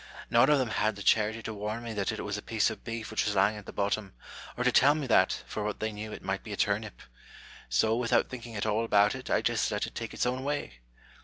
None of them had the charity to warn me that it was a piece of beef which was lying at the bottom, or to tell me that (for what they knew) it might be a turnip ; so, without thinking at all about it, I just let it take its own way